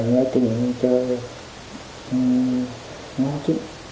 để tìm chơi